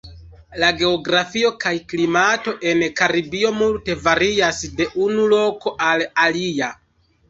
La geografio kaj klimato en Karibio multe varias de unu loko al alia.